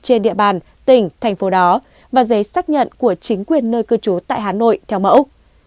trên địa bàn tỉnh thành phố đó và giấy xác nhận của chính quyền nơi cư trú tại hà nội theo mẫu